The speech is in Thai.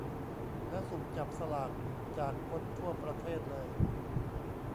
แล้วสุ่มจับสลากจากคนทั่วประเทศเลย